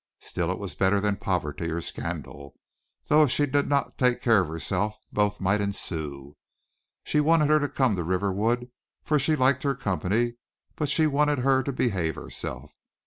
Still it was better than poverty or scandal, though if she did not take care of herself both might ensue. She wanted her to come to Riverwood for she liked her company, but she wanted her to behave herself.